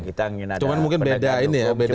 kita mungkin ada penegakan hukum